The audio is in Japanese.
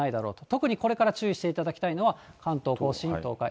特にこれから注意していただきたいのは、関東甲信、東海。